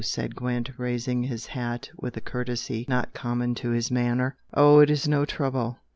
said Gwent, raising his hat with a courtesy not common to his manner. "Oh, it is no trouble!"